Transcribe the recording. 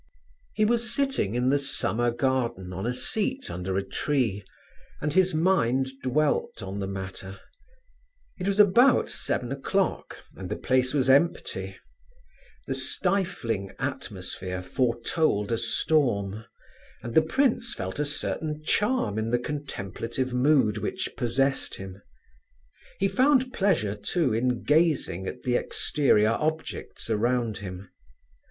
He was sitting in the Summer Garden on a seat under a tree, and his mind dwelt on the matter. It was about seven o'clock, and the place was empty. The stifling atmosphere foretold a storm, and the prince felt a certain charm in the contemplative mood which possessed him. He found pleasure, too, in gazing at the exterior objects around him.